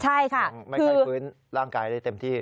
ใช่ค่ะไม่ค่อยฟื้นร่างกายเลยเต็มที่